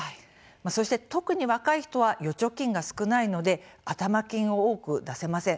そして、特に若い人は預貯金が少ないので頭金を多く出せません。